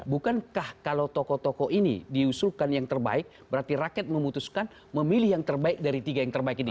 bukankah kalau tokoh tokoh ini diusulkan yang terbaik berarti rakyat memutuskan memilih yang terbaik dari tiga yang terbaik ini